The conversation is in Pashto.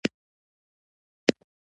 زړه د احساساتو د څرګندولو وسیله ده.